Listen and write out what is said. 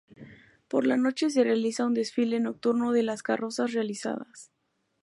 Por la noche se realiza un desfile nocturno de las carrozas realizadas.